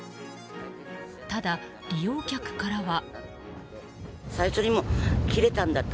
ただ、利用客からは。